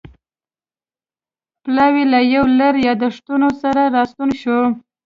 پلاوی له یو لړ یادښتونو سره راستون شو.